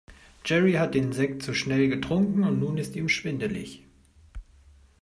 Jerry hat den Sekt zu schnell getrunken und nun ist ihm schwindelig.